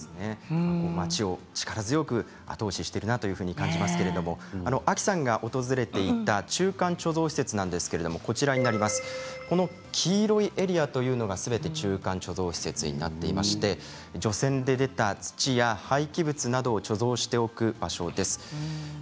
町を力強く後押ししているなと感じますけれども亜紀さんが訪れていた中間貯蔵施設この地図の黄色いエリアというのがすべて中間貯蔵施設になっていまして、除染で出た土や廃棄物などを貯蔵しておく場所です。